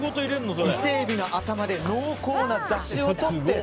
伊勢海老の頭で濃厚なだしをとって。